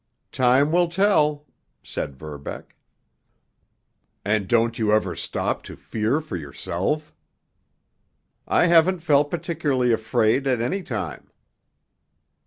"Time will tell," said Verbeck. "And don't you ever stop to fear for yourself?" "I haven't felt particularly afraid at any time."